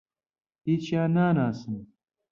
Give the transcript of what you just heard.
هیچیان ناناسم.